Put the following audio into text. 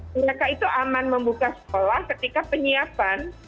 mereka itu aman membuka sekolah ketika penyiapan